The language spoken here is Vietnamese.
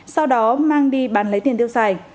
sau đó mang đi bán lấy tiền tiêu xài